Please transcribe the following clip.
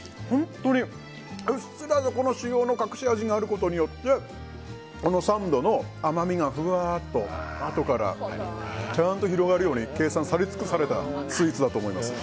うっすらと塩の隠し味があることによってサンドの甘みがふわっとあとからちゃんと広がるように計算され尽くされたスイーツだと思います。